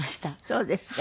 そうですか。